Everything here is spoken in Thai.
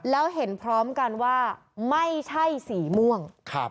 แล้วเห็นพร้อมกันว่าไม่ใช่สีม่วง